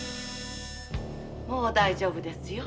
もう大丈夫ですよ。